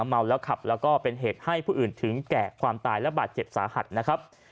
เมาแล้วขับแล้วก็เป็นเหตุให้ผู้อื่นถึงแก่ความตายและบาดเจ็บสาหัสนะครับ